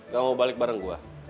gak mau balik bareng gue